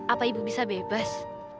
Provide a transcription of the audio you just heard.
apa ibu bisa bebas